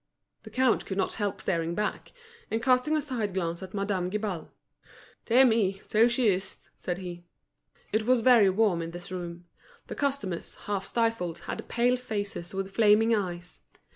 The count could not help starting back, and casting a side glance at Madame Guibal. "Dear me I so she is," said he. It was very warm in this room. The customers, half stifled, had pale faces with flaming eyes.